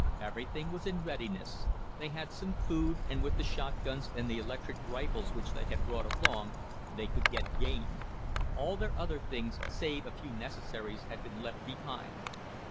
Everything was in readiness, they had some food, and with the shotguns and the electric rifles which they had brought along, they could get game. All their other things, save a few necessaries, had been left behind.